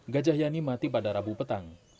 gajah yani mati pada rabu petang